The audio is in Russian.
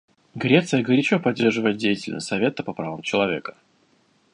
Греция горячо поддерживает деятельность Совета по правам человека.